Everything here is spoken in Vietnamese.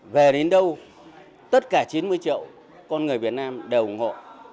về đến đâu tất cả chín mươi triệu con người việt nam đều ủng hộ